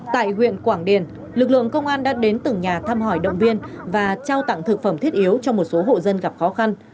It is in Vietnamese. tại huyện quảng điền lực lượng công an đã đến từng nhà thăm hỏi động viên và trao tặng thực phẩm thiết yếu cho một số hộ dân gặp khó khăn